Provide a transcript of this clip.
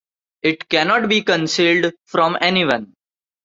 It cannot be concealed from anyone.